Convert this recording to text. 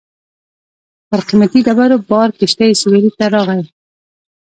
پر قیمتي ډبرو بار کښتۍ سېویل ته راتلې.